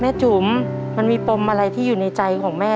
จุ๋มมันมีปมอะไรที่อยู่ในใจของแม่